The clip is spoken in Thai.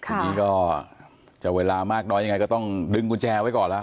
ทีนี้ก็จะเวลามากน้อยยังไงก็ต้องดึงกุญแจไว้ก่อนแล้ว